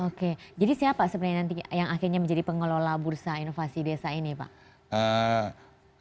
oke jadi siapa sebenarnya nanti yang akhirnya menjadi pengelola bursa inovasi desa ini pak